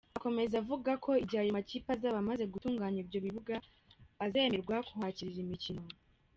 Akomeza avuga ko igihe ayo makipe azaba amaze gutunganya ibyo bibuga, azemerwa kuhakirira imikino.